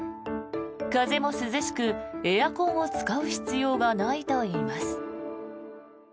風も涼しくエアコンを使う必要がないといいます。